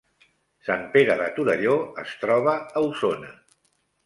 Sant Pere de Torelló es troba a Osona